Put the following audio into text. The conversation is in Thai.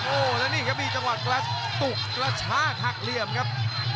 โอ้โหแล้วนี่ครับมีจังหวะกระตุกกระชากหักเหลี่ยมครับ